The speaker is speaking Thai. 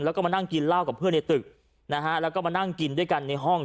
แล้วก็มานั่งกินเหล้ากับเพื่อนในตึกนะฮะแล้วก็มานั่งกินด้วยกันในห้อง